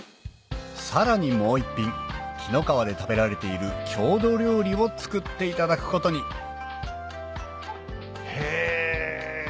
さらにもう一品紀の川で食べられている郷土料理を作っていただくことにへぇ。